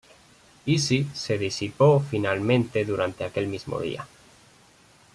Easy se disipó finalmente durante aquel mismo día.